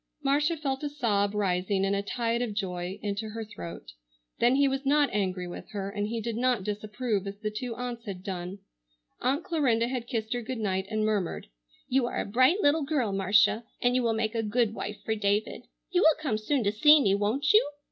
Marcia felt a sob rising in a tide of joy into her throat. Then he was not angry with her, and he did not disapprove as the two aunts had done. Aunt Clarinda had kissed her good night and murmured, "You are a bright little girl, Marcia, and you will make a good wife for David. You will come soon to see me, won't you?"